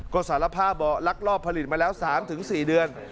ก็สารภาพบอกลักลอบผลิตมาแล้ว๓๔เดือน